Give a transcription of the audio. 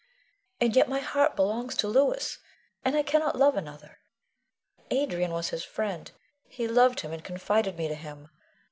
And yet my heart belongs to Louis, and I cannot love another. Adrian was his friend; he loved him, and confided me to him.